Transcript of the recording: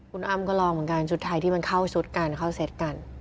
คุณอามก็ลองบางก่อนชุดไทยที่มันเข้าชุดกันเข้าเศษกัน